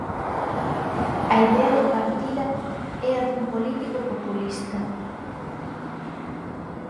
A idea de partida é a dun político populista.